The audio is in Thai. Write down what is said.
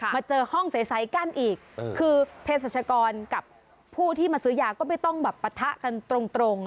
มาเจอห้องใสกั้นอีกคือเพศรัชกรกับผู้ที่มาซื้อยาก็ไม่ต้องแบบปะทะกันตรง